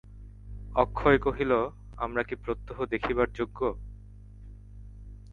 অক্ষয় কহিল, আমরা কি প্রত্যহ দেখিবার যোগ্য?